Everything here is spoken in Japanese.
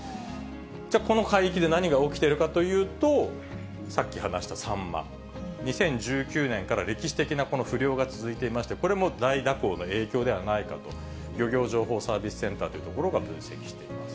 じゃあこの海域で何が起きているかというと、さっき話したサンマ、２０１９年から歴史的なこの不漁が続いていまして、これも大蛇行の影響ではないかと、漁業情報サービスセンターという所が分析しています。